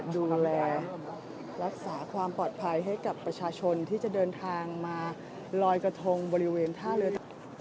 ดูแลรักษาความปลอดภัยให้กับประชาชนที่จะเดินทางมาลอยกระทงบริเวณท่าเรือ